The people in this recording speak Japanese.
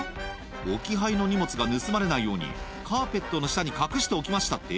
置き配の荷物が盗まれないようにカーペットの下に隠しておきましたって？」